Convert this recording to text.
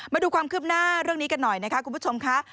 มาดูความคืบหน้าเรื่องนี้กันหน่อยนะคะคุณผู้ชมค่ะ